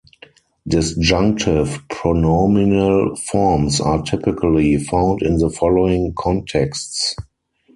Disjunctive pronominal forms are typically found in the following contexts.